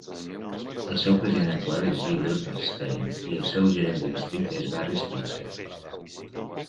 El seu president actual és Yidel Perlstein, i el seu gerent de districte és Barry Spitzer.